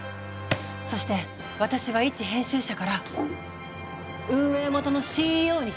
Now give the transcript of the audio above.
そして私はいち編集者から運営元のＣＥＯに転身する。